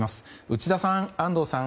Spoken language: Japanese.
内田さん、安藤さん